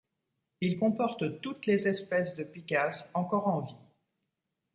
Il comporte toutes les espèces de pikas encore en vie.